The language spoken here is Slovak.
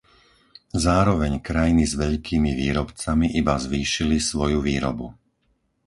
Zároveň krajiny s veľkými výrobcami iba zvýšili svoju výrobu.